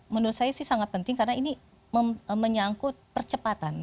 menurut saya sih sangat penting karena ini menyangkut percepatan